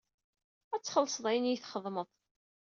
Ad txellṣeḍ ayen i iyi-txedmeḍ.